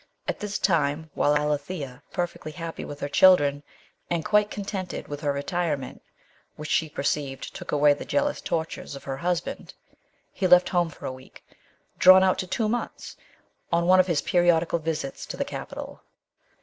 At this time while Alethea was perfectly happy with her children, LITEEAKT WORK. 197 and quite contented with her retirement, which she perceived took away the jealous tortures of her hus band, he left home for a week, drawn out to two months, on one of his periodical visits to the capital.